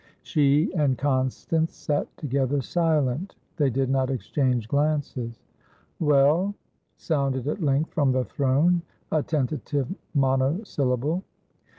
She and Constance sat together, silent. They did not exchange glances. "Well?" sounded at length from the throne, a tentative monosyllable.